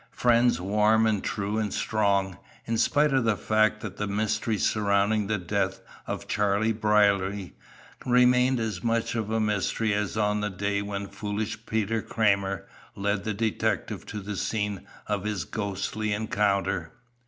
Friends warm and true and strong, in spite of the fact that the mystery surrounding the death of Charlie Brierly remained as much of a mystery as on the day when foolish Peter Kramer led the detective to the scene of his ghostly encounter.